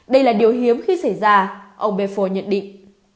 đây là điều hiếm khi xảy ra ông bepho nhận định